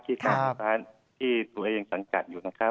ที่โน้วมันผ่านที่ตัวเองสังกัดอยู่นะครับ